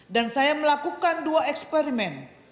dan saya melakukan dua eksperimen